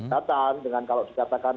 datang dengan kalau dikatakan